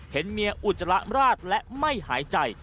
เห็นเมียอุจจาระราดและไม่หายใจ